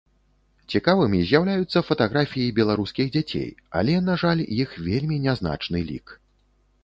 Цікавымі з'яўляюцца фатаграфіі беларускіх дзяцей, але, на жаль, іх вельмі нязначны лік.